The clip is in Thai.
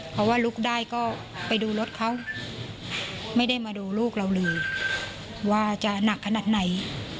เพราะว่าลุกได้ก็ไปดูรถเขาไม่ได้มาดูลูกเราเลยว่าจะหนักขนาดไหน